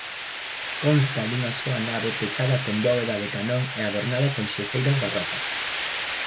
Consta dunha soa nave pechada con bóveda de canón e adornada con xeseiras barrocas.